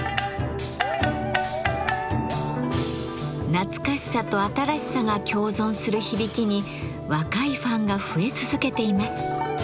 懐かしさと新しさが共存する響きに若いファンが増え続けています。